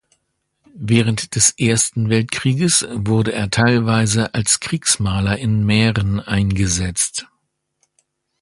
Während des Ersten Weltkrieges wurde er teilweise als Kriegsmaler in Mähren eingesetzt.